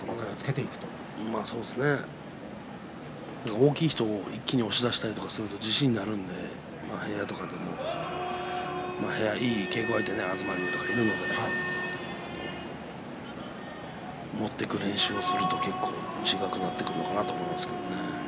大きい人を一気に押し出したりすると自信になるので部屋とかでも部屋に、いい稽古相手東龍がいるので持っていく練習をすると自信になってくるんじゃないかなと思います。